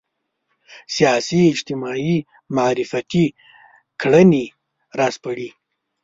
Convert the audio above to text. سیاسي اجتماعي معرفتي کړنې راسپړي